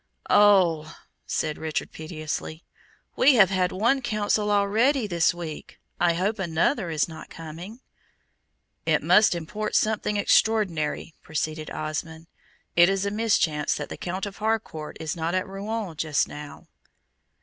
"Oh," said Richard, piteously, "we have had one council already this week. I hope another is not coming!" "It must import something extraordinary," proceeded Osmond. "It is a mischance that the Count of Harcourt is not at Rouen just now."